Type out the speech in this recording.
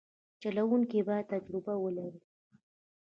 چلوونکی باید تجربه ولري.